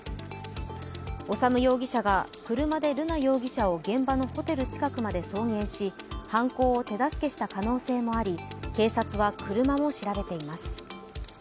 修容疑者が車で瑠奈容疑者を現場のホテル近くまで送迎し犯行を手助けした可能性もあり警察は車も調べています。